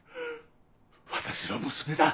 私の娘だ。